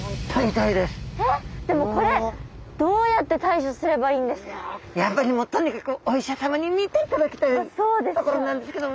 えっでもこれやっぱりもうとにかくお医者さまに診ていただきたいところなんですけども。